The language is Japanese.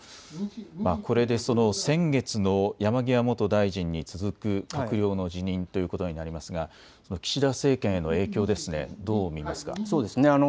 これでその先月の山際元大臣に続く閣僚の辞任ということになりますが岸田政権への影響、どう見ますか。